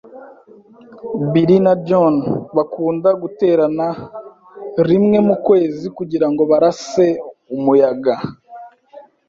Bill na John bakunda guterana rimwe mu kwezi kugirango barase umuyaga.